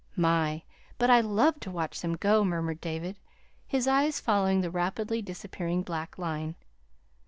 "My! but I love to watch them go," murmured David, his eyes following the rapidly disappearing blackline.